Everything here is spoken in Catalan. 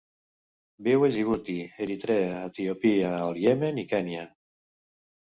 Viu a Djibouti, Eritrea, Etiòpia, el Iemen i Kenya.